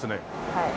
はい。